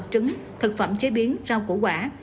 trứng thực phẩm chế biến rau củ quả